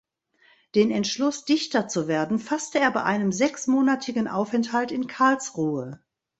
Den Entschluss, Dichter zu werden, fasste er bei einem sechsmonatigen Aufenthalt in Karlsruhe.